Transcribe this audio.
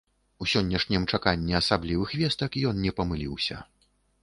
У сённяшнім чаканні асаблівых вестак ён не памыліўся.